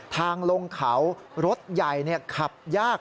ทางลงเขารถใหญ่ขับยาก